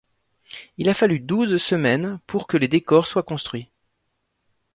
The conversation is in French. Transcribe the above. Il a fallu douze semaines pour que les décors soient construits.